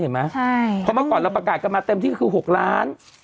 เพราะเมื่อก่อนเราประกาศกันมาเต็มที่ก็คือ๖ล้าน